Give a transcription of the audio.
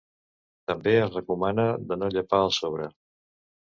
També es recomana de no llepar el sobre.